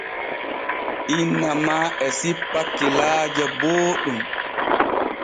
Inna ma e sippa kilaaje booɗɗum.